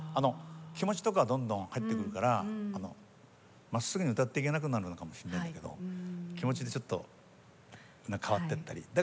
気持ちとかはどんどん入ってくるからまっすぐに歌っていけなくなるのかもしれないんだけど気持ちでちょっと変わってったり。